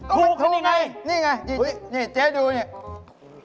ถูกถูกไงนี่ไงเจ๊ดูนี่